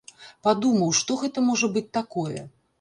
Падумаў, што гэта можа быць такое?